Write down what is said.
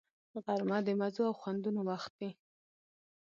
غرمه د مزو او خوندونو وخت وي